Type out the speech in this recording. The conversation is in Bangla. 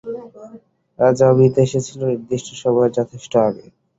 আজ অমিত এসেছিল নির্দিষ্ট সময়ের যথেষ্ট আগে।